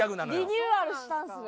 リニューアルしたんですね。